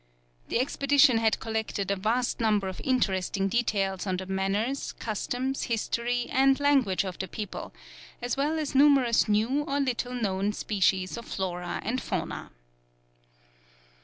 The expedition had collected a vast number of interesting details on the manners, customs, history, and language of the people, as well as numerous new or little known species of flora and fauna.